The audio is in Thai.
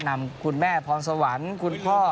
นำคุณแม่พร้อมสวรรคุณพ่อ